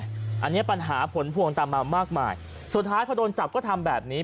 อันนี้ปัญหาผลพวงตามมามากมายสุดท้ายพอโดนจับก็ทำแบบนี้